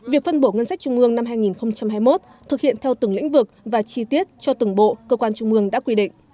việc phân bổ ngân sách trung ương năm hai nghìn hai mươi một thực hiện theo từng lĩnh vực và chi tiết cho từng bộ cơ quan trung ương đã quy định